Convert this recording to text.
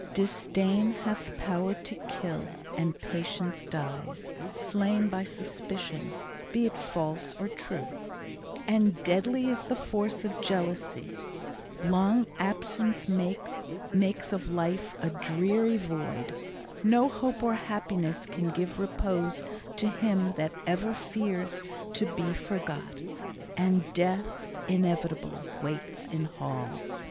Disdain hath power to kill, and patience dies Slain by suspicion, be it false or true; And deadly is the force of jealousy; Long absence makes of life a dreary void; No hope of happiness can give repose To him that ever fears to be forgot; And death, inevitable, waits in hall.